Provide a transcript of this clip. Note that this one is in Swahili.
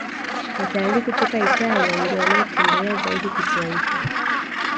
Watalii kutoka italia ndiyo wanaotembelea zaidi kisiwa hicho